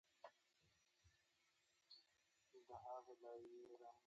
کندهاری مولانا او د دې کتاب دوه جلا کسان دي.